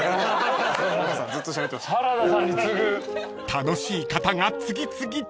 ［楽しい方が次々と］